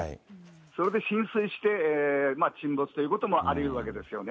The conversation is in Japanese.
それで浸水して、沈没ということもありうるわけですよね。